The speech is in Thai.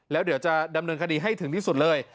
แล้วเดี๋ยวจะดำเนินคดีให้ถึงที่สุดเลย